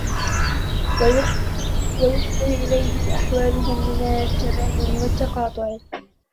وَيُفْضِي إلَيْهِ أَحْوَالُهُمْ مِنْ التَّبَايُنِ وَالتَّقَاطُعِ